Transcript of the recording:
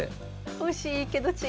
惜しいけど違う。